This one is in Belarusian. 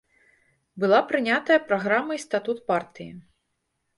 Была прынятая праграма і статут партыі.